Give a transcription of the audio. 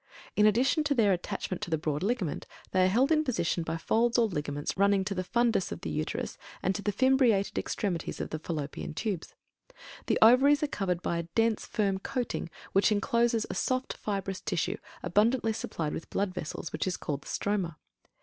In addition to their attachment to the broad ligament, they are held in position by folds or ligaments running to the fundus of the Uterus and to the fimbriated extremities of the Fallopian Tubes. The Ovaries are covered by a dense, firm coating which encloses a soft fibrous tissue, abundantly supplied with blood vessels, which is called the stroma.